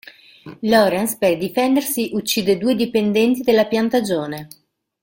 Lawrence, per difendersi, uccide due dipendenti della piantagione.